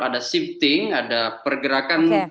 ada shifting ada pergerakan